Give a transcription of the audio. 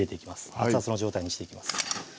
熱々の状態にしていきます